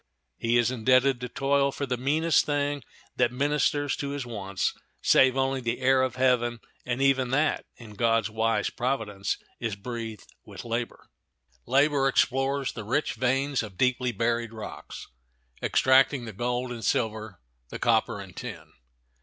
He is indebted to toil for the meanest thing that ministers to his wants, save only the air of heaven, and even that, in God's wise providence, is breathed with labor. Labor explores the rich veins of deeply buried rocks, extracting the gold and silver, the copper and tin.